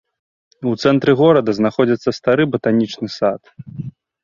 У цэнтры горада знаходзіцца стары батанічны сад.